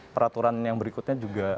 peraturan yang berikutnya juga